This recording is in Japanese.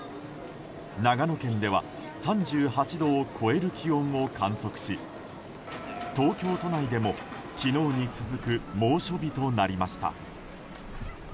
長野県では３８度を超える気温を観測し東京都内でも昨日に続く猛暑日となりました。